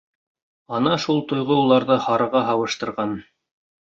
Ана шул тойғо уларҙы һарыға һабыштырған.